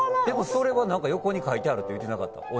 でも、それは横に書いてあるって言ってなかった？